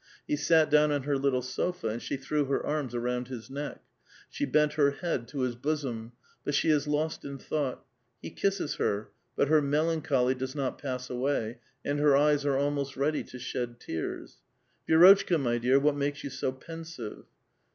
lie eat down on her little sofa, and she threw hur arms around Lis neck ; she bent her head to his bosom, but she is lost in 'thought; he kisses her, but her melancholy does not pass jkway, and her eyes are almost ready to shed tears. *' Vi^rotchka, my dear, what makes you so pensive?"